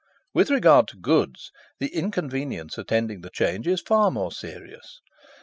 "With regard to goods, the inconvenience attending the change is far more serious.